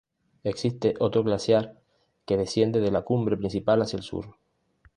Existe otro glaciar que desciende de la cumbre principal hacia el sur.